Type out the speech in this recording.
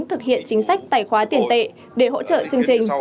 thực hiện chính sách tài khoá tiền tệ để hỗ trợ chương trình